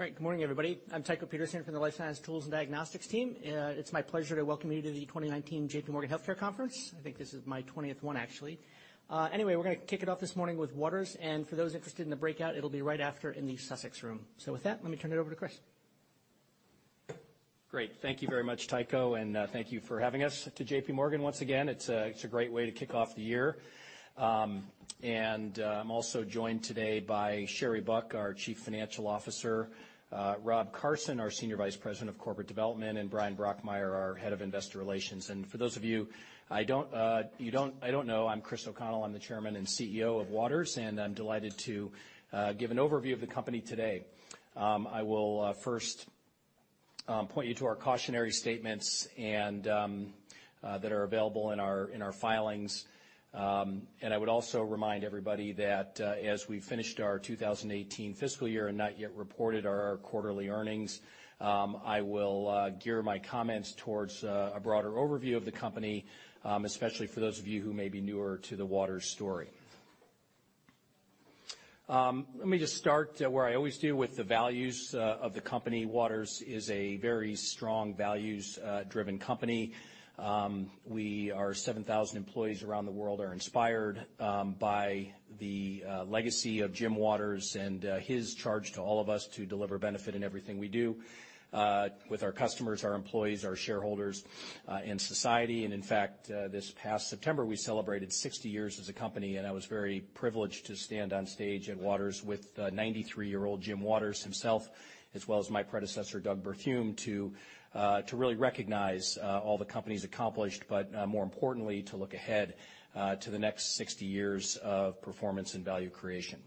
All right, good morning, everybody. I'm Tycho Peterson from the Life Sciences, Tools, and Diagnostics team. It's my pleasure to welcome you to the 2019 J.P. Morgan Healthcare Conference. I think this is my 20th one, actually. Anyway, we're going to kick it off this morning with Waters, and for those interested in the breakout, it'll be right after in the Sussex Room. So with that, let me turn it over to Chris. Great. Thank you very much, Tycho, and thank you for having us to J.P. Morgan once again. It's a great way to kick off the year. And I'm also joined today by Sherry Buck, our Chief Financial Officer, Rob Carson, our Senior Vice President of Corporate Development, and Bryan Brokmeier, our Head of Investor Relations. And for those of you who don't know, I'm Chris O'Connell. I'm the Chairman and CEO of Waters, and I'm delighted to give an overview of the company today. I will first point you to our cautionary statements that are available in our filings. And I would also remind everybody that as we've finished our 2018 fiscal year and not yet reported our quarterly earnings, I will gear my comments towards a broader overview of the company, especially for those of you who may be newer to the Waters story. Let me just start where I always do with the values of the company. Waters is a very strong, values-driven company. Our 7,000 employees around the world are inspired by the legacy of Jim Waters and his charge to all of us to deliver benefit in everything we do with our customers, our employees, our shareholders, and society, and in fact, this past September, we celebrated 60 years as a company, and I was very privileged to stand on stage at Waters with 93-year-old Jim Waters himself, as well as my predecessor, Doug Berthiaume, to really recognize all the company's accomplishments, but more importantly, to look ahead to the next 60 years of performance and value creation.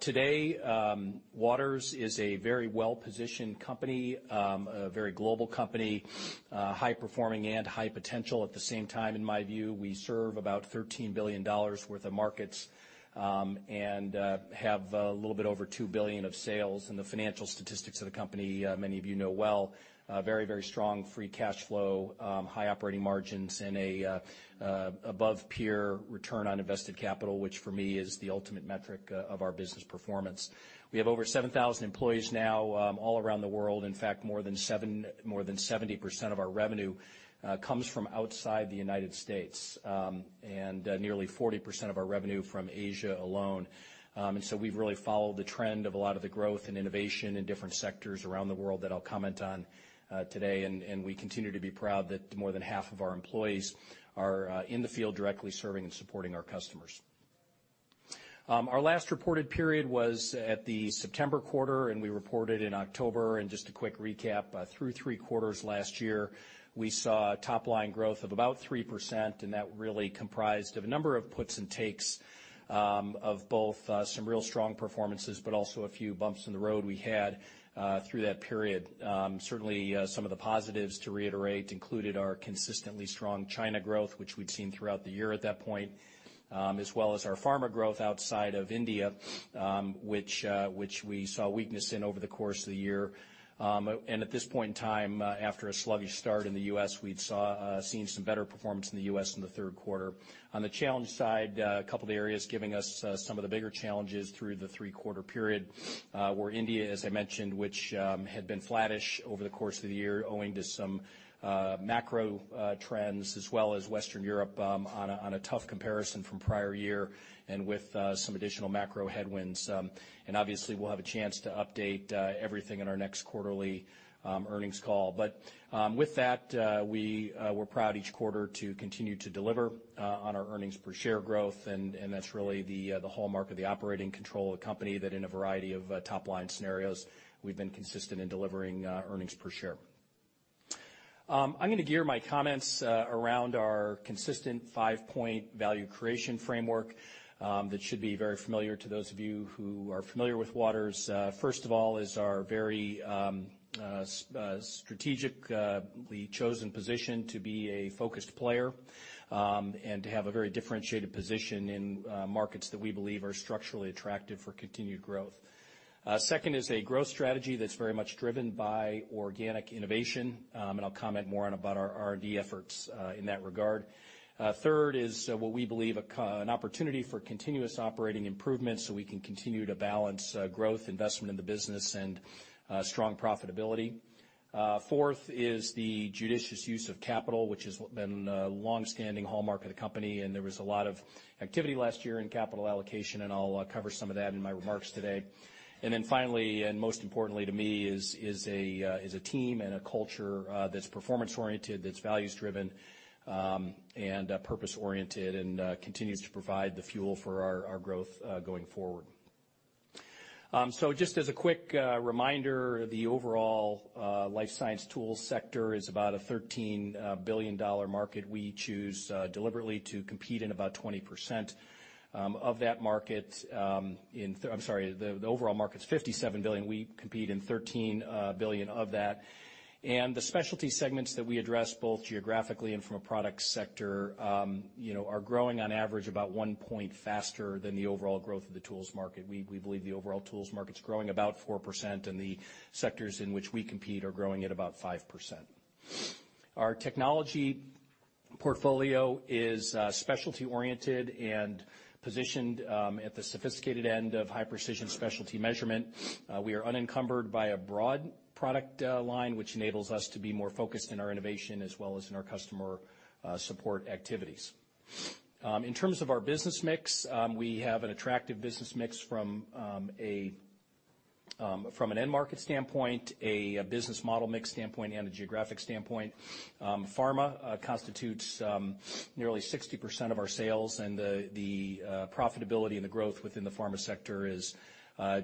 Today, Waters is a very well-positioned company, a very global company, high-performing and high-potential at the same time, in my view. We serve about $13 billion worth of markets and have a little bit over $2 billion of sales. And the financial statistics of the company, many of you know well, very, very strong free cash flow, high operating margins, and an above-peer return on invested capital, which for me is the ultimate metric of our business performance. We have over 7,000 employees now all around the world. In fact, more than 70% of our revenue comes from outside the United States, and nearly 40% of our revenue from Asia alone. And so we've really followed the trend of a lot of the growth and innovation in different sectors around the world that I'll comment on today. And we continue to be proud that more than half of our employees are in the field directly serving and supporting our customers. Our last reported period was at the September quarter, and we reported in October. And just a quick recap, through three quarters last year, we saw top-line growth of about 3%, and that really comprised a number of puts and takes of both some real strong performances, but also a few bumps in the road we had through that period. Certainly, some of the positives, to reiterate, included our consistently strong China growth, which we'd seen throughout the year at that point, as well as our pharma growth outside of India, which we saw weakness in over the course of the year. And at this point in time, after a sluggish start in the U.S., we'd seen some better performance in the U.S. in the third quarter. On the challenge side, a couple of areas giving us some of the bigger challenges through the three-quarter period were India, as I mentioned, which had been flattish over the course of the year, owing to some macro trends, as well as Western Europe on a tough comparison from prior year and with some additional macro headwinds, and obviously, we'll have a chance to update everything in our next quarterly earnings call, but with that, we were proud each quarter to continue to deliver on our earnings per share growth, and that's really the hallmark of the operating control of a company that in a variety of top-line scenarios, we've been consistent in delivering earnings per share. I'm going to gear my comments around our consistent five-point value creation framework that should be very familiar to those of you who are familiar with Waters. First of all, is our very strategically chosen position to be a focused player and to have a very differentiated position in markets that we believe are structurally attractive for continued growth. Second is a growth strategy that's very much driven by organic innovation, and I'll comment more on our R&D efforts in that regard. Third is what we believe an opportunity for continuous operating improvement so we can continue to balance growth, investment in the business, and strong profitability. Fourth is the judicious use of capital, which has been a long-standing hallmark of the company, and there was a lot of activity last year in capital allocation, and I'll cover some of that in my remarks today. And then finally, and most importantly to me, is a team and a culture that's performance-oriented, that's values-driven and purpose-oriented, and continues to provide the fuel for our growth going forward. Just as a quick reminder, the overall life science tools sector is about a $13 billion market. We choose deliberately to compete in about 20% of that market. I'm sorry, the overall market's $57 billion. We compete in $13 billion of that. The specialty segments that we address, both geographically and from a product sector, are growing on average about one point faster than the overall growth of the tools market. We believe the overall tools market's growing about 4%, and the sectors in which we compete are growing at about 5%. Our technology portfolio is specialty-oriented and positioned at the sophisticated end of high-precision specialty measurement. We are unencumbered by a broad product line, which enables us to be more focused in our innovation as well as in our customer support activities. In terms of our business mix, we have an attractive business mix from an end market standpoint, a business model mix standpoint, and a geographic standpoint. Pharma constitutes nearly 60% of our sales, and the profitability and the growth within the pharma sector is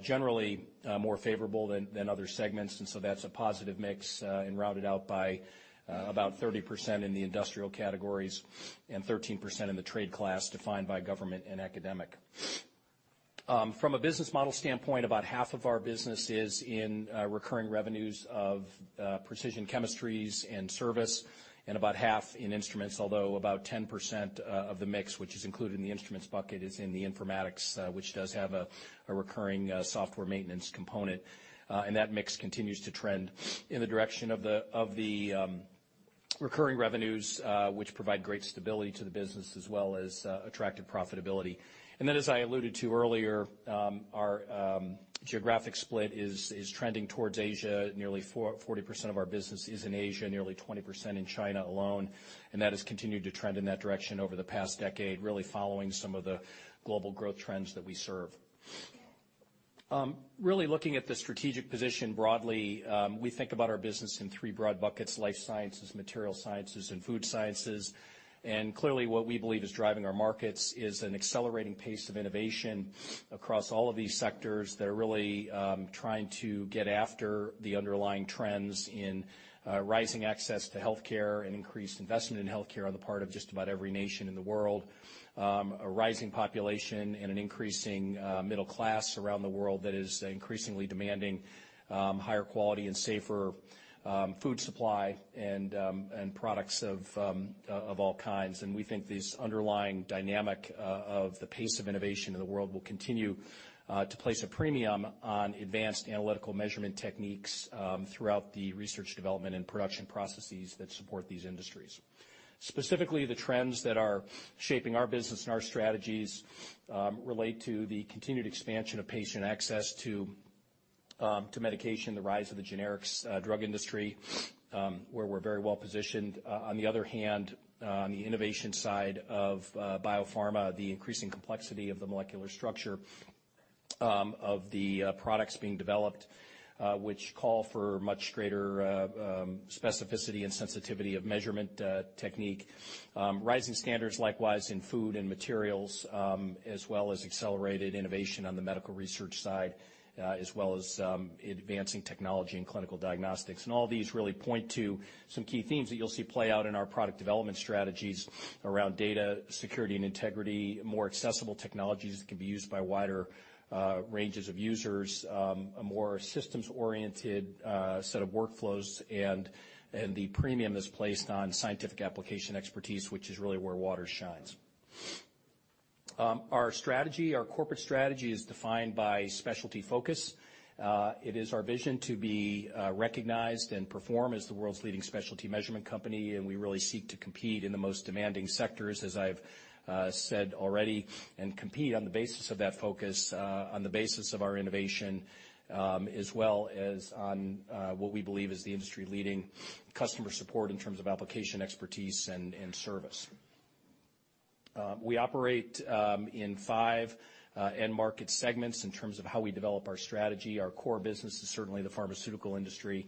generally more favorable than other segments, and so that's a positive mix and rounded out by about 30% in the industrial categories and 13% in the third class defined by government and academia. From a business model standpoint, about half of our business is in recurring revenues of precision chemistries and service, and about half in instruments, although about 10% of the mix, which is included in the instruments bucket, is in the informatics, which does have a recurring software maintenance component. That mix continues to trend in the direction of the recurring revenues, which provide great stability to the business as well as attractive profitability. Our geographic split is trending towards Asia. Nearly 40% of our business is in Asia, nearly 20% in China alone, and that has continued to trend in that direction over the past decade, really following some of the global growth trends that we serve. Really looking at the strategic position broadly, we think about our business in three broad buckets: life sciences, material sciences, and food sciences. Clearly, what we believe is driving our markets is an accelerating pace of innovation across all of these sectors that are really trying to get after the underlying trends in rising access to healthcare and increased investment in healthcare on the part of just about every nation in the world, a rising population, and an increasing middle class around the world that is increasingly demanding higher quality and safer food supply and products of all kinds. We think this underlying dynamic of the pace of innovation in the world will continue to place a premium on advanced analytical measurement techniques throughout the research, development, and production processes that support these industries. Specifically, the trends that are shaping our business and our strategies relate to the continued expansion of patient access to medication, the rise of the generic drug industry, where we're very well positioned. On the other hand, on the innovation side of biopharma, the increasing complexity of the molecular structure of the products being developed, which call for much greater specificity and sensitivity of measurement technique, rising standards, likewise, in food and materials, as well as accelerated innovation on the medical research side, as well as advancing technology and clinical diagnostics, and all these really point to some key themes that you'll see play out in our product development strategies around data security and integrity, more accessible technologies that can be used by wider ranges of users, a more systems-oriented set of workflows, and the premium is placed on scientific application expertise, which is really where Waters shines. Our corporate strategy is defined by specialty focus. It is our vision to be recognized and perform as the world's leading specialty measurement company, and we really seek to compete in the most demanding sectors, as I've said already, and compete on the basis of that focus, on the basis of our innovation, as well as on what we believe is the industry-leading customer support in terms of application expertise and service. We operate in five end market segments in terms of how we develop our strategy. Our core business is certainly the pharmaceutical industry,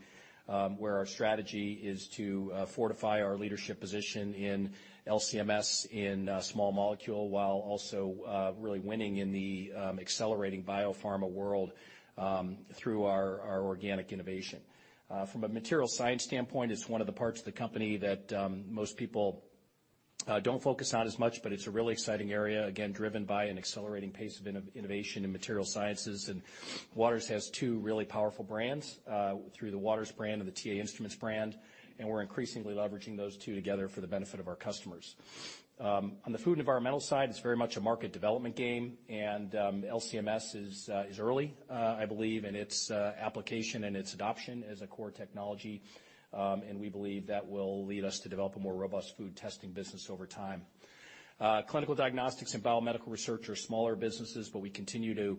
where our strategy is to fortify our leadership position in LC-MS in small molecule, while also really winning in the accelerating biopharma world through our organic innovation. From a material science standpoint, it's one of the parts of the company that most people don't focus on as much, but it's a really exciting area, again, driven by an accelerating pace of innovation in material sciences, and Waters has two really powerful brands through the Waters brand and the TA Instruments brand, and we're increasingly leveraging those two together for the benefit of our customers. On the food and environmental side, it's very much a market development game, and LC-MS is early, I believe, in its application and its adoption as a core technology, and we believe that will lead us to develop a more robust food testing business over time. Clinical diagnostics and biomedical research are smaller businesses, but we continue to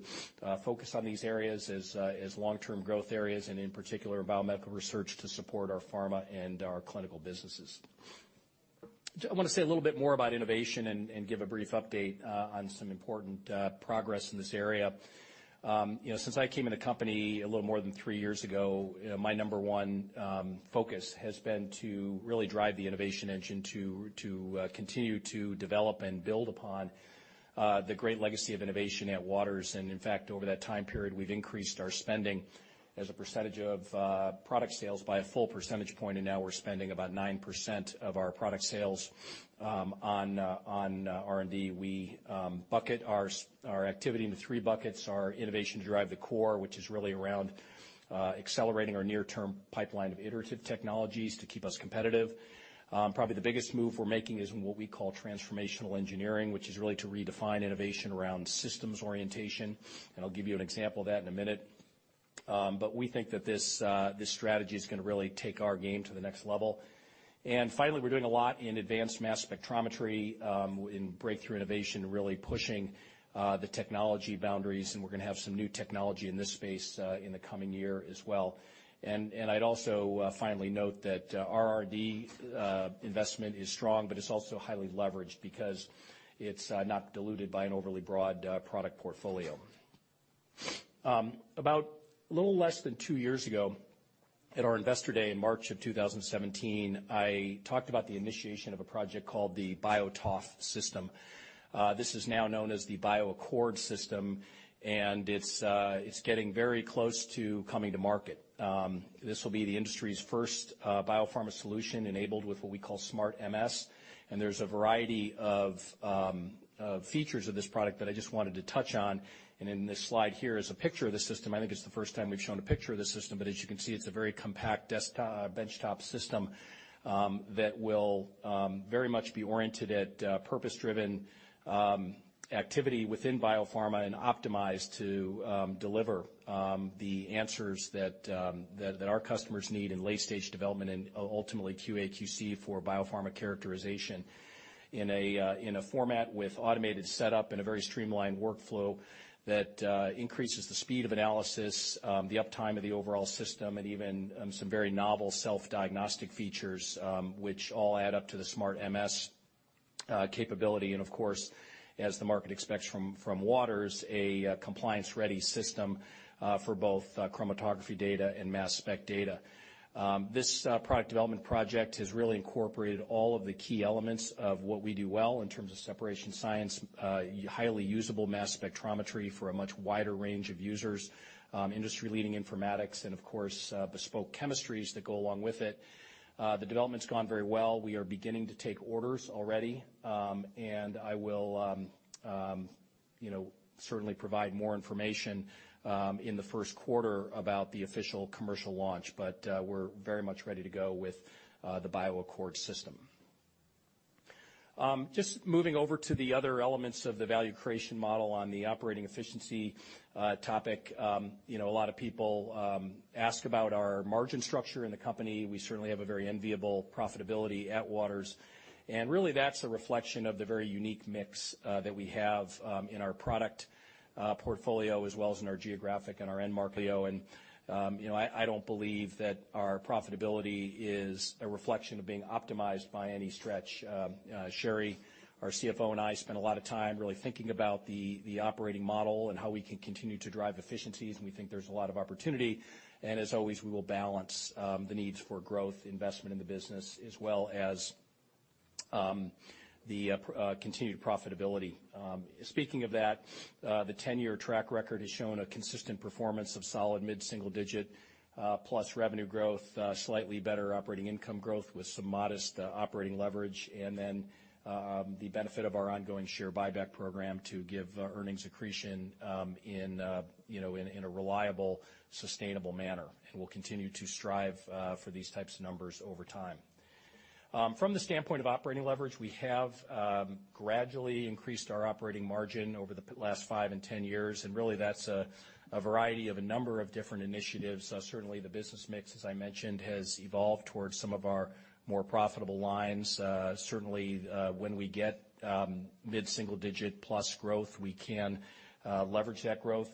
focus on these areas as long-term growth areas, and in particular, biomedical research to support our pharma and our clinical businesses. I want to say a little bit more about innovation and give a brief update on some important progress in this area. Since I came into the company a little more than three years ago, my number one focus has been to really drive the innovation engine to continue to develop and build upon the great legacy of innovation at Waters. And in fact, over that time period, we've increased our spending as a percentage of product sales by a full percentage point, and now we're spending about 9% of our product sales on R&D. We bucket our activity into three buckets: our innovation driving the core, which is really around accelerating our near-term pipeline of iterative technologies to keep us competitive. Probably the biggest move we're making is in what we call transformational engineering, which is really to redefine innovation around systems orientation. I'll give you an example of that in a minute. But we think that this strategy is going to really take our game to the next level. And finally, we're doing a lot in advanced mass spectrometry in breakthrough innovation, really pushing the technology boundaries, and we're going to have some new technology in this space in the coming year as well. And I'd also finally note that our R&D investment is strong, but it's also highly leveraged because it's not diluted by an overly broad product portfolio. About a little less than two years ago, at our investor day in March of 2017, I talked about the initiation of a project called the BioTOF system. This is now known as the BioAccord system, and it's getting very close to coming to market. This will be the industry's first biopharma solution enabled with what we call SmartMS, and there's a variety of features of this product that I just wanted to touch on, and in this slide here is a picture of the system. I think it's the first time we've shown a picture of the system, but as you can see, it's a very compact benchtop system that will very much be oriented at purpose-driven activity within biopharma and optimized to deliver the answers that our customers need in late-stage development and ultimately QA/QC for biopharma characterization in a format with automated setup and a very streamlined workflow that increases the speed of analysis, the uptime of the overall system, and even some very novel self-diagnostic features, which all add up to the SmartMS capability. And of course, as the market expects from Waters, a compliance-ready system for both chromatography data and mass spec data. This product development project has really incorporated all of the key elements of what we do well in terms of separation science, highly usable mass spectrometry for a much wider range of users, industry-leading informatics, and of course, bespoke chemistries that go along with it. The development's gone very well. We are beginning to take orders already, and I will certainly provide more information in the first quarter about the official commercial launch, but we're very much ready to go with the BioAccord System. Just moving over to the other elements of the value creation model on the operating efficiency topic, a lot of people ask about our margin structure in the company. We certainly have a very enviable profitability at Waters, and really that's a reflection of the very unique mix that we have in our product portfolio as well as in our geographic and our end market. I don't believe that our profitability is a reflection of being optimized by any stretch. Sherry, our CFO, and I spent a lot of time really thinking about the operating model and how we can continue to drive efficiencies, and we think there's a lot of opportunity. As always, we will balance the needs for growth, investment in the business, as well as the continued profitability. Speaking of that, the 10-year track record has shown a consistent performance of solid mid-single digit plus revenue growth, slightly better operating income growth with some modest operating leverage, and then the benefit of our ongoing share buyback program to give earnings accretion in a reliable, sustainable manner, and we'll continue to strive for these types of numbers over time. From the standpoint of operating leverage, we have gradually increased our operating margin over the last five and 10 years, and really that's a variety of a number of different initiatives. Certainly, the business mix, as I mentioned, has evolved towards some of our more profitable lines. Certainly, when we get mid-single digit plus growth, we can leverage that growth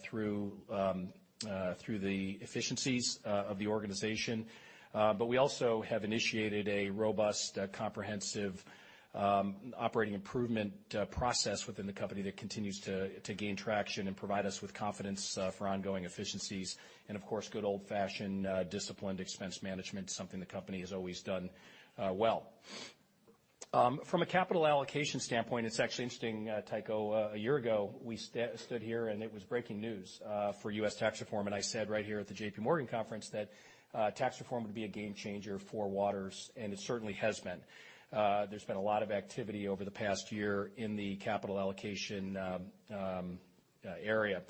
through the efficiencies of the organization. But we also have initiated a robust, comprehensive operating improvement process within the company that continues to gain traction and provide us with confidence for ongoing efficiencies. And of course, good old-fashioned disciplined expense management, something the company has always done well. From a capital allocation standpoint, it's actually interesting, Tycho. A year ago, we stood here and it was breaking news for U.S. tax reform, and I said right here at the J.P. Morgan conference that tax reform would be a game changer for Waters, and it certainly has been. There's been a lot of activity over the past year in the capital allocation area.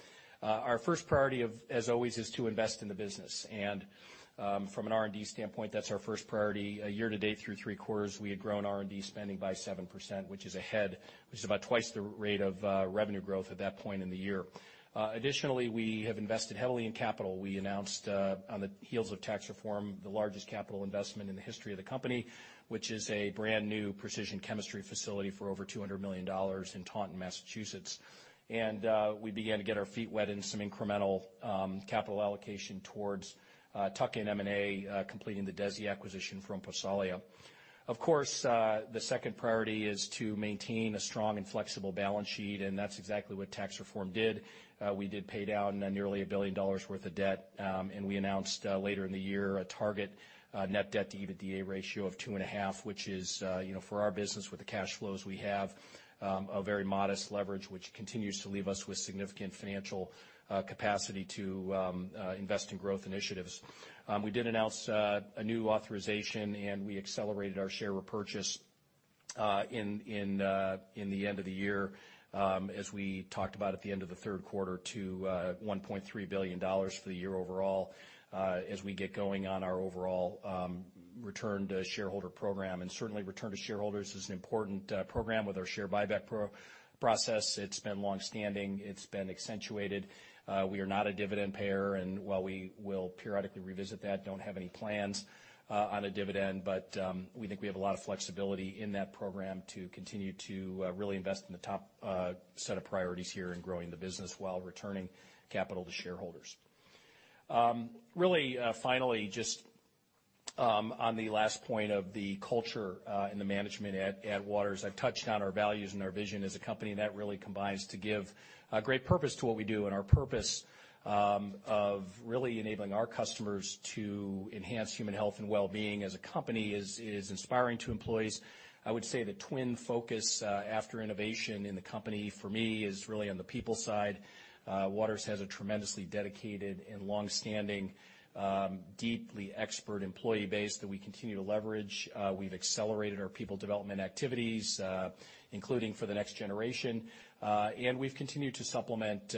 Our first priority, as always, is to invest in the business. And from an R&D standpoint, that's our first priority. Year to date, through three quarters, we had grown R&D spending by 7%, which is ahead, which is about twice the rate of revenue growth at that point in the year. Additionally, we have invested heavily in capital. We announced on the heels of tax reform the largest capital investment in the history of the company, which is a brand new precision chemistry facility for over $200 million in Taunton, Massachusetts, and we began to get our feet wet in some incremental capital allocation towards tuck-in M&A, completing the DESI acquisition from Prosolia. Of course, the second priority is to maintain a strong and flexible balance sheet, and that's exactly what tax reform did. We did pay down nearly $1 billion worth of debt, and we announced later in the year a target net debt to EBITDA ratio of two and a half, which is, for our business with the cash flows we have, a very modest leverage, which continues to leave us with significant financial capacity to invest in growth initiatives. We did announce a new authorization, and we accelerated our share repurchase in the end of the year, as we talked about at the end of the third quarter, to $1.3 billion for the year overall as we get going on our overall return to shareholder program. And certainly, return to shareholders is an important program with our share buyback process. It's been longstanding. It's been accentuated. We are not a dividend payer, and while we will periodically revisit that, don't have any plans on a dividend, but we think we have a lot of flexibility in that program to continue to really invest in the top set of priorities here in growing the business while returning capital to shareholders. Really, finally, just on the last point of the culture and the management at Waters, I've touched on our values and our vision as a company that really combines to give great purpose to what we do, and our purpose of really enabling our customers to enhance human health and well-being as a company is inspiring to employees. I would say the twin focus after innovation in the company, for me, is really on the people side. Waters has a tremendously dedicated and longstanding, deeply expert employee base that we continue to leverage. We've accelerated our people development activities, including for the next generation, and we've continued to supplement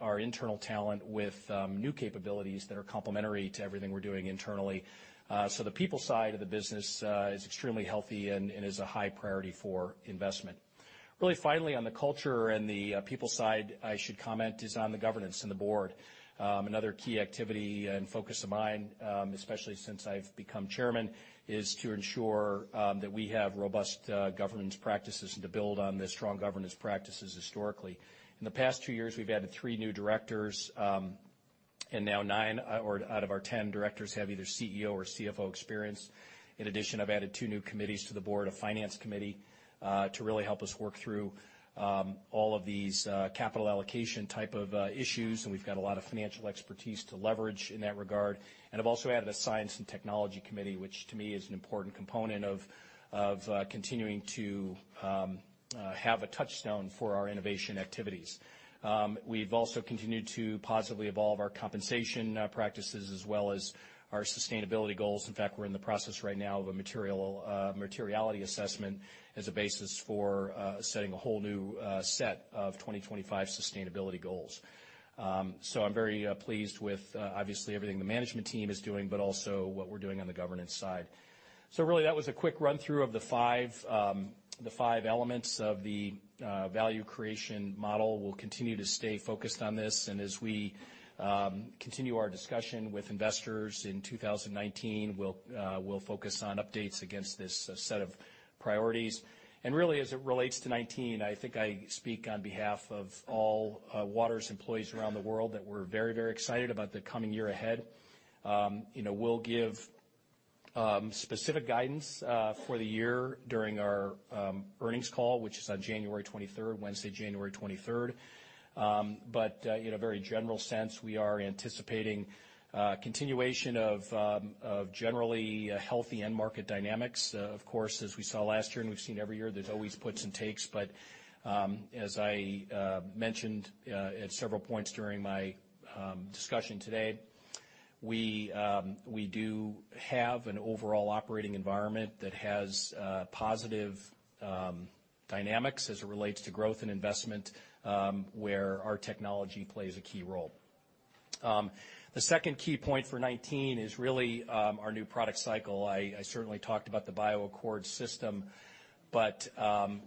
our internal talent with new capabilities that are complementary to everything we're doing internally. So the people side of the business is extremely healthy and is a high priority for investment. Really, finally, on the culture and the people side, I should comment is on the governance and the board. Another key activity and focus of mine, especially since I've become Chairman, is to ensure that we have robust governance practices and to build on the strong governance practices historically. In the past two years, we've added three new directors, and now nine out of our 10 directors have either CEO or CFO experience. In addition, I've added two new committees to the board, a finance committee to really help us work through all of these capital allocation type of issues, and we've got a lot of financial expertise to leverage in that regard. And I've also added a science and technology committee, which to me is an important component of continuing to have a touchstone for our innovation activities. We've also continued to positively evolve our compensation practices as well as our sustainability goals. In fact, we're in the process right now of a materiality assessment as a basis for setting a whole new set of 2025 sustainability goals. So I'm very pleased with, obviously, everything the management team is doing, but also what we're doing on the governance side. So really, that was a quick run-through of the five elements of the value creation model. We'll continue to stay focused on this, and as we continue our discussion with investors in 2019, we'll focus on updates against this set of priorities, and really, as it relates to 2019, I think I speak on behalf of all Waters employees around the world that we're very, very excited about the coming year ahead. We'll give specific guidance for the year during our earnings call, which is on January 23rd, Wednesday, January 23rd, but in a very general sense, we are anticipating continuation of generally healthy end market dynamics. Of course, as we saw last year and we've seen every year, there's always puts and takes, but as I mentioned at several points during my discussion today, we do have an overall operating environment that has positive dynamics as it relates to growth and investment where our technology plays a key role. The second key point for 2019 is really our new product cycle. I certainly talked about the BioAccord System, but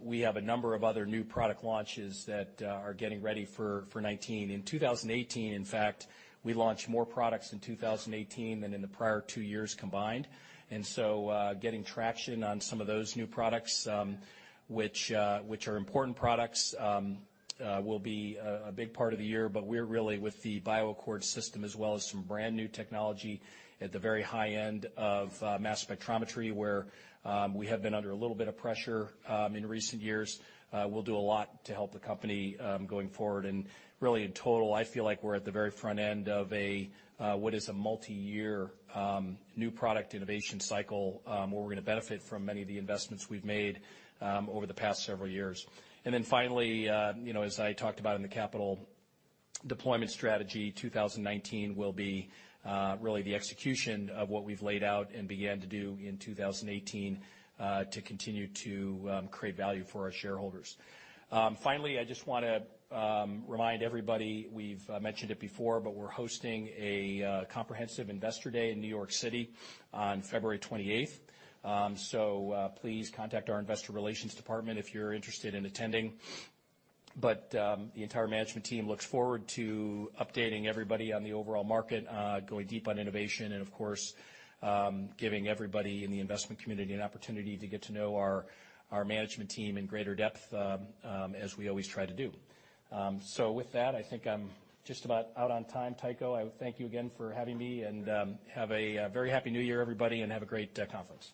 we have a number of other new product launches that are getting ready for 2019. In 2018, in fact, we launched more products in 2018 than in the prior two years combined, and so getting traction on some of those new products, which are important products, will be a big part of the year, but we're really with the BioAccord System as well as some brand new technology at the very high end of mass spectrometry where we have been under a little bit of pressure in recent years. We'll do a lot to help the company going forward. And really, in total, I feel like we're at the very front end of what is a multi-year new product innovation cycle where we're going to benefit from many of the investments we've made over the past several years. And then finally, as I talked about in the capital deployment strategy, 2019 will be really the execution of what we've laid out and began to do in 2018 to continue to create value for our shareholders. Finally, I just want to remind everybody we've mentioned it before, but we're hosting a comprehensive investor day in New York City on February 28th. So please contact our investor relations department if you're interested in attending. But the entire management team looks forward to updating everybody on the overall market, going deep on innovation, and of course, giving everybody in the investment community an opportunity to get to know our management team in greater depth as we always try to do. So with that, I think I'm just about out on time, Tycho. I thank you again for having me and have a very happy new year, everybody, and have a great conference.